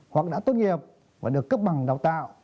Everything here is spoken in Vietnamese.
hoặc đã tốt nghiệp và được cấp bằng đào tạo